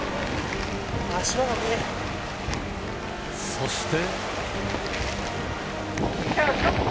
そして